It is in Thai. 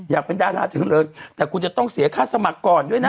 อยากเป็นดาราถือเลยแต่คุณจะต้องเสียค่าสมัครก่อนด้วยนะ